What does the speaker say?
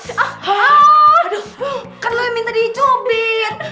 aduh kan lo yang minta dijubit